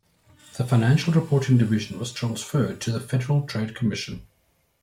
The Financial Reporting Division was transferred to the Federal Trade Commission.